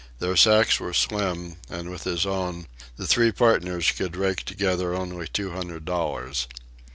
Their sacks were slim, and with his own the three partners could rake together only two hundred dollars.